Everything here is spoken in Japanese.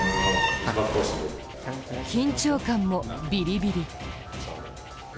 緊張感もビリビリ。